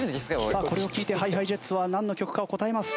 さあこれを聴いてＨｉＨｉＪｅｔｓはなんの曲かを答えます。